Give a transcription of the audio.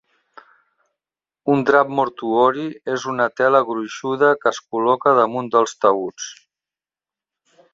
Un "drap mortuori" és una tela gruixuda que es col·loca damunt dels taüts.